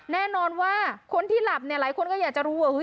แน่นอนว่าคนที่หลับเนี่ยหลายคนก็อยากจะรู้ว่า